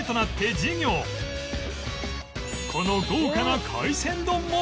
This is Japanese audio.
この豪華な海鮮丼も